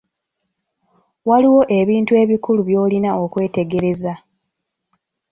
Waliwo ebintu ebikulu by'olina okwetegereza.